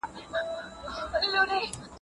ایا ته د څيړني نوي میتودونه پیژنې؟